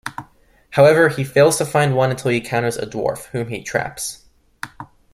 However, he fails to find one until he encounters a dwarf, whom he traps.